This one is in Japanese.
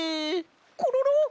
コロロ！